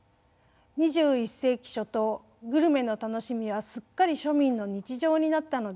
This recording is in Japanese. ２１世紀初頭グルメの楽しみはすっかり庶民の日常になったのです。